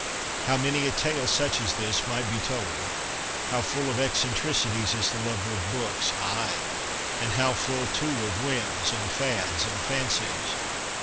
How many a tale such as this might be told ! How full of eccentricities is the lover of books, aye, and how full, too, of whims and fads and fancies